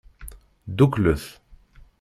Dduklet.